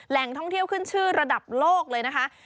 ท่องเที่ยวขึ้นชื่อระดับโลกเลยนะคะ